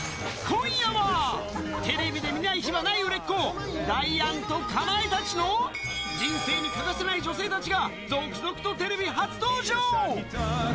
今夜は、テレビで見ない日はない売れっ子、ダイアンとかまいたちの人生に欠かせない女性たちが、続々とテレビ初登場。